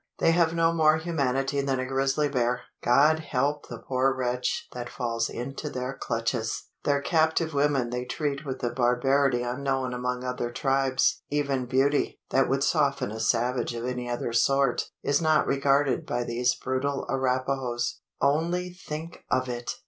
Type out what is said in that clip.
They have no more humanity than a grizzly bear. God help the poor wretch that falls into their clutches! Their captive women they treat with a barbarity unknown among other tribes. Even beauty, that would soften a savage of any other sort, is not regarded by these brutal Arapahoes. Only think of it!